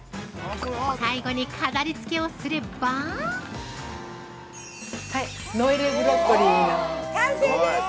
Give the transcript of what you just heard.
◆最後に飾り付けをすれば◆はい、ノエルブロッコリーの完成です。